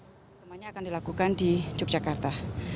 pertemuannya akan dilakukan di yogyakarta